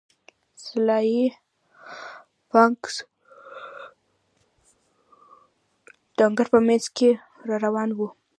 سلای فاکس د انګړ په مینځ کې را روان و